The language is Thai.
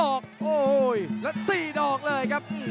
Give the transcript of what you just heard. โอ้โหแล้ว๔ดอกเลยครับ